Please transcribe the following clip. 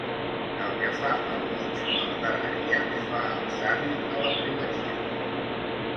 El que fa el boig a la darreria, fa el savi a la primeria.